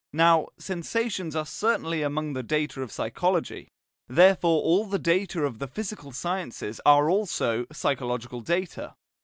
Now, sensations are certainly among the data of psychology. Therefore all the data of the physical sciences are also psychological data.